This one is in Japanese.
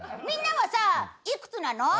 みんなはさいくつなの？